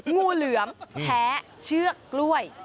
งูเหลือมแพ้เชือกกล้วย